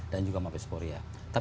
dan juga mabes polri ya